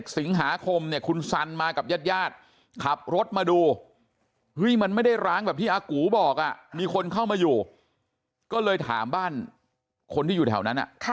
สิงหาคมเนี่ยคุณสันมากับญาติขับรถมาดูมันไม่ได้ร้างแบบที่อากูบอกมีคนเข้ามาอยู่ก็เลยถามบ้านคนที่อยู่แถวนั้น